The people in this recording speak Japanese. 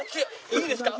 いいですか？